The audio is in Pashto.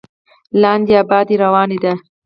لاندې ابادي روانه ده.